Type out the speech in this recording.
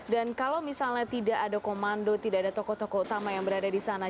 dan kalau misalnya tidak ada komando tidak ada tokoh tokoh utama yang berada disana